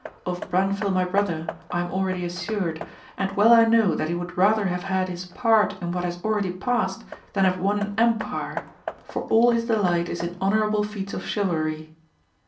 Of Branfil my brother I am already assured, and well I know that he would rather have had his part in what has already past than have won an empire, for all his delight is in honourable feats of chivalry.